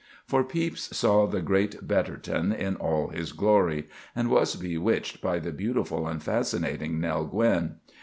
For Pepys saw the great Betterton in all his glory, and was bewitched by the beautiful and fascinating Nell Gwynne.